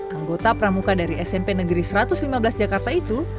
anggota pramuka dari smp negeri satu ratus lima belas jakarta itu